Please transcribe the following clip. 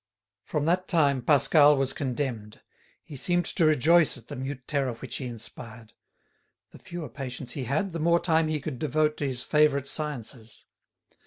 From that time, Pascal was condemned. He seemed to rejoice at the mute terror which he inspired. The fewer patients he had, the more time he could devote to his favourite sciences.